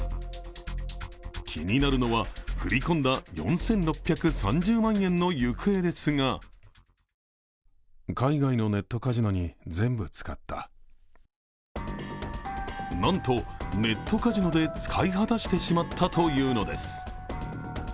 気になるのは振り込んだ４６３０万円の行方ですがなんと、ネットカジノで使い果たしてしまったというのです。